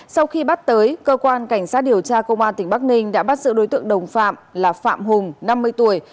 sau khi bắt tới cơ quan cảnh sát điều tra công an tỉnh bắc ninh đã bắt giữ đối tượng đồng phạm là phạm hùng năm mươi tuổi